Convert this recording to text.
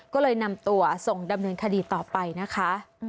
ก็เลยนำตัวส่งดำเนินคดีต่อไปนะคะ